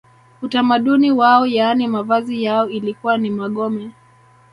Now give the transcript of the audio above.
Utamaduni wao yaani mavazi yao ilikuwa ni magome